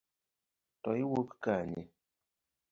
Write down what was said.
To iwuok kanye?